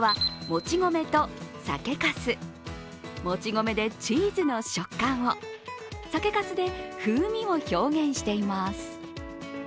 餅米でチーズの食感を、酒かすで風味を表現しています。